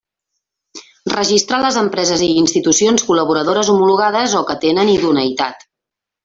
Registrar les empreses i institucions col·laboradores homologades o que tenen idoneïtat.